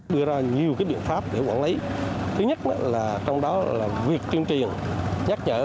đưa ra nhiều cái biện pháp để quản lý thứ nhất trong đó là việc tuyên truyền nhắc nhở